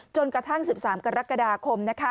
จนกระทั่ง๑๓กรกฎาคม